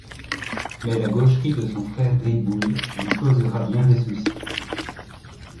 Mais la gaucherie de son frère Gribouille lui causera bien des soucis.